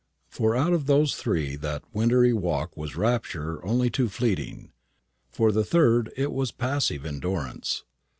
For two out of those three that wintry walk was rapture only too fleeting. For the third it was passive endurance.